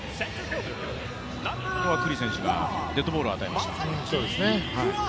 ここは九里選手がデッドボールを与えました。